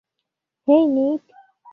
হেই, নিক।